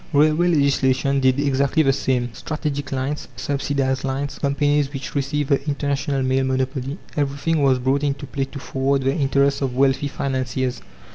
Railway legislation did exactly the same. Strategic lines, subsidized lines, companies which received the International Mail monopoly, everything was brought into play to forward the interests of wealthy financiers.